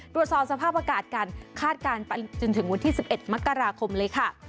ตรวจสอบสภาพอากาศกันคาดการณ์ไปจนถึงวันที่๑๑มกราคมเลยค่ะ